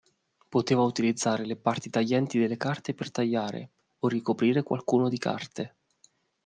Poteva utilizzare le parti taglienti delle carte per tagliare, o ricoprire qualcuno di carte.